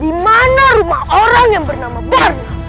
di mana rumah orang yang bernama bor